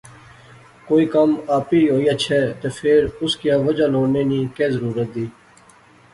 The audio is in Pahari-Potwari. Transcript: کوئی کم آپی ہوئی اچھے تہ فیر اس کیا وجہ لوڑنے نی کہہ ضرورت دیر